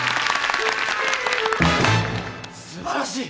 すばらしい！